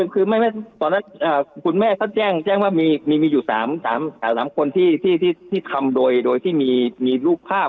คือตอนนั้นคุณแม่เขาแจ้งว่ามีอยู่๓คนที่ทำโดยที่มีรูปภาพ